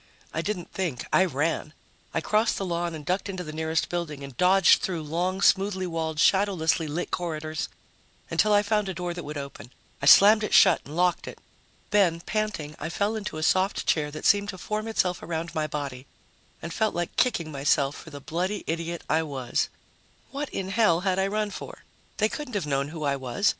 I didn't think. I ran. I crossed the lawn and ducked into the nearest building and dodged through long, smoothly walled, shadowlessly lit corridors until I found a door that would open. I slammed it shut and locked it. Then, panting, I fell into a soft chair that seemed to form itself around my body, and felt like kicking myself for the bloody idiot I was. What in hell had I run for? They couldn't have known who I was.